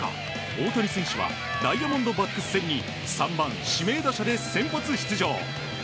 大谷選手はダイヤモンドバックス戦に３番指名打者で先発出場。